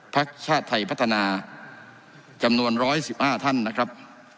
พักชาติไทยพัฒนาจำนวน๑๑๕ท่านนะครับ